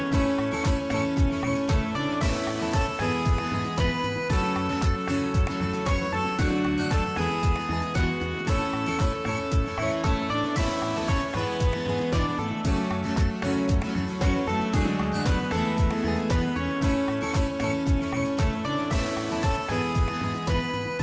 โปรดติดตามตอนต่อไป